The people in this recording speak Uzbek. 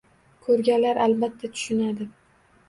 Ko‘rganlar albatta tushunadi.